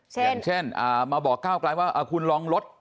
อย่างเช่นมาบอกก้าวกลายว่าคุณลองลด